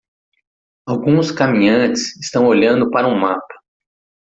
Alguns caminhantes estão olhando para um mapa.